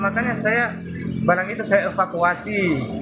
makanya saya barang itu saya evakuasi